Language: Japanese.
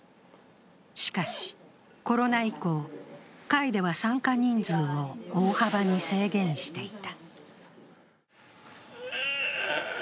しかし、コロナ以降、会では参加人数を大幅に制限していた。